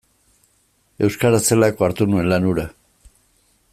Euskaraz zelako hartu nuen lan hura.